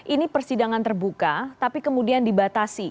ini persidangan terbuka tapi kemudian dibatasi